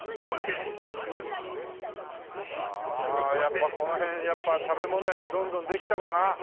うわやっぱこの辺やっぱ食べ物屋がどんどんできたわな。